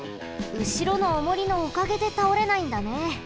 うしろのおもりのおかげでたおれないんだね。